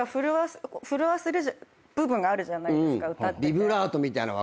ビブラートみたいな。